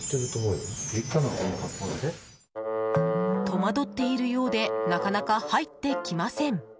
戸惑っているようでなかなか入ってきません。